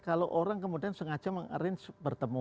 kalau orang kemudian sengaja mengarang bertemu